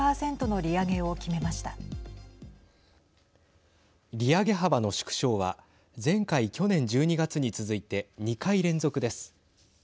利上げ幅の縮小は前回去年１２月に続いて２回連続です。